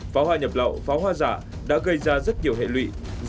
pháo hoa nhập lậu pháo hoa giả đã gây ra rất nhiều hệ lụy